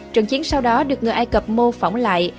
trận chiến sau đó được người ai cập mô phỏng lại